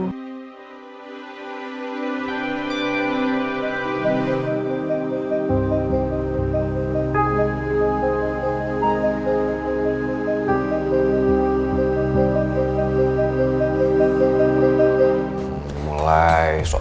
kamu akan tergantikan di hatiku